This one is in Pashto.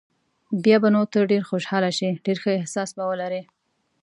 بیا به نو ته ډېر خوشاله شې، ډېر ښه احساس به ولرې.